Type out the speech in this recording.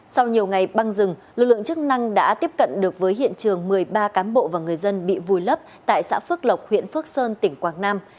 sau nhiều ngày băng rừng lực lượng chức năng đã tiếp cận được với hiện trường một mươi ba cán bộ và người dân bị vùi lấp tại xã phước lộc huyện phước sơn tỉnh quảng nam